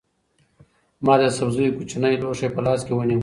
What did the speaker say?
ما د سبزیو کوچنی لوښی په لاس کې ونیو.